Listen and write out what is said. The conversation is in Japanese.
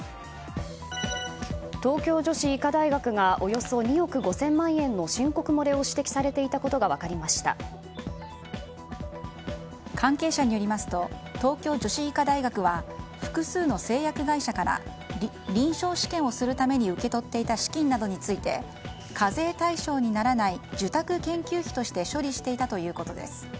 東京女子医科大学がおよそ２億５０００万円の申告漏れを指摘されたいたことが関係者によりますと東京女子医科大学は複数の製薬会社から臨床試験をするために受け取っていた資金などについて課税対象にならない受託研究費として処理していたということです。